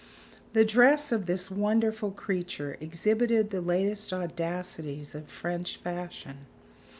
The dress of this wonderful creature exhibited the latest audacities of French fashion.